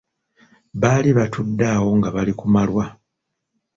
Baali batudde awo nga bali ku malwa.